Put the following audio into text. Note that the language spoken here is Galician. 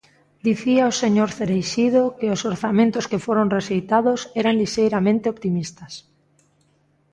Dicía o señor Cereixido que os orzamentos que foron rexeitados eran lixeiramente optimistas.